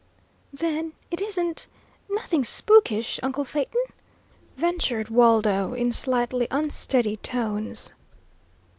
"Then it isn't Nothing spookish, uncle Phaeton?" ventured Waldo, in slightly unsteady tones.